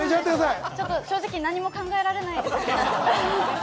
正直何も考えられないです。